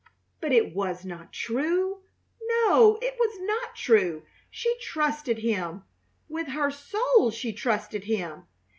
But it was not true. No, it was not true! She trusted him! With her soul she trusted him!